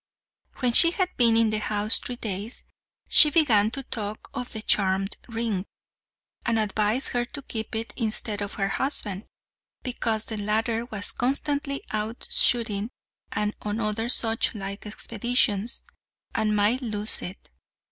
When she had been in the house three days, she began to talk of the charmed ring, and advised her to keep it instead of her husband, because the latter was constantly out shooting and on other such like expeditions, and might lose it.